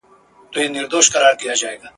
که د سهار ورک ماښام کور ته راسي ورک نه دئ ..